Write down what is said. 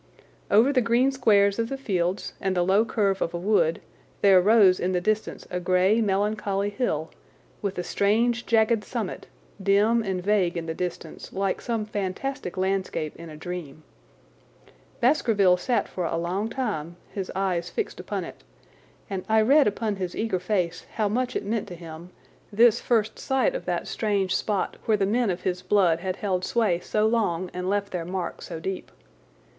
Over the green squares of the fields and the low curve of a wood there rose in the distance a grey, melancholy hill, with a strange jagged summit, dim and vague in the distance, like some fantastic landscape in a dream. Baskerville sat for a long time, his eyes fixed upon it, and I read upon his eager face how much it meant to him, this first sight of that strange spot where the men of his blood had held sway so long and left their mark so deep.